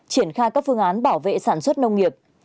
triển khai các phương án bảo vệ sản xuất nông nghiệp